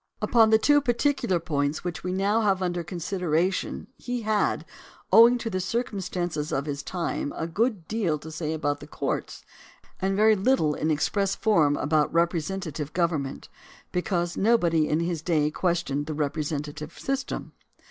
Upon the two particular points which we have now under considera tion he had, owing to the circumstances of his time, a good deal to say about the courts and very little in express form about representative government, be cause nobody in his day questioned the representative system.